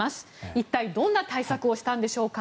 一体どんな対策をしたんでしょうか。